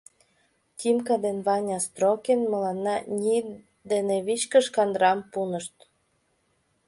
Тимка ден Ваня Строкин мыланна ний дене вичкыж кандырам пунышт.